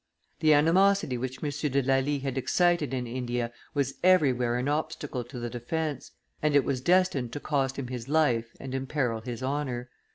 The animosity which M. de Lally had excited in India was everywhere an obstacle to the defence; and it was destined to cost him his life and imperil his honor.